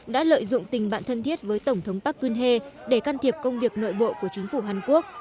đã lợi dụng tình bạn thân thiết với tổng thống park kun he để can thiệp công việc nội bộ của chính phủ hàn quốc